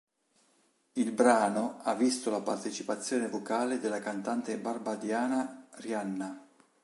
Il brano ha visto la partecipazione vocale della cantante barbadiana Rihanna.